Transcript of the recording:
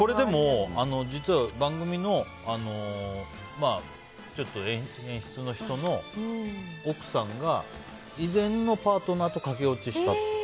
実は番組の演出の人の奥さんが以前のパートナーと駆け落ちしたって。